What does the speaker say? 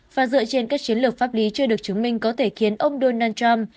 và dựa trên các chiến lược pháp lý chưa được chứng minh có thể khiến ông donald trump